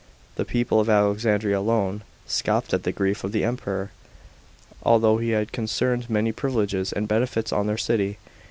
The people of Alexandria alone scoffed at the grief of the Emperor, although he had conferred many privileges and benefits on their city.